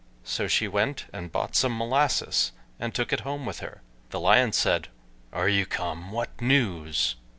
So she went and bought some molasses, and took it home with her. The Lion said, "Are you come; what news?"